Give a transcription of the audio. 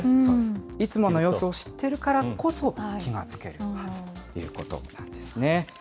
いつもの様子を知っているからこそ気が付けるはずということなんですね。